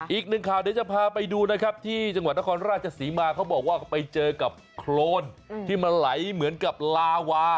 อีกหนึ่งข่าวเดี๋ยวจะพาไปดูนะครับที่จังหวัดนครราชศรีมาเขาบอกว่าไปเจอกับโครนที่มันไหลเหมือนกับลาวา